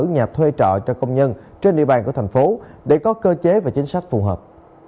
nhà thuê trọ cho công nhân trên địa bàn của thành phố để có cơ chế và chính sách phù hợp